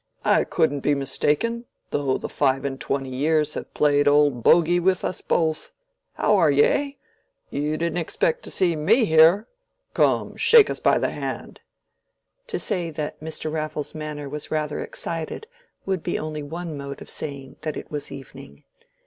I couldn't be mistaken, though the five and twenty years have played old Boguy with us both! How are you, eh? you didn't expect to see me here. Come, shake us by the hand." To say that Mr. Raffles' manner was rather excited would be only one mode of saying that it was evening.